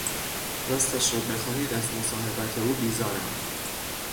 راستش را بخواهید از مصاحبت او بیزارم.